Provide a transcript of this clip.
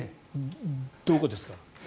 どこですか？